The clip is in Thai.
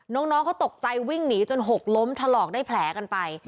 น้องเขาตกใจวิ่งหนีจนหกล้มถลอกได้แผลกันไป